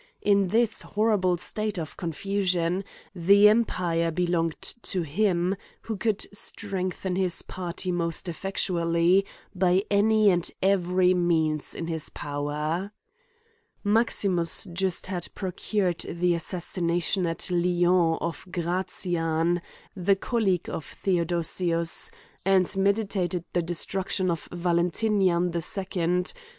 In this horrible state of confusion, the empire belonged to him who could strengthen his party most effectually, by any and every means in his power. Maximus, just had procured the assassination, at Lyons, of Gratian, the colleague of Theodosius; and meditated the destruction of Valentinian the 2d.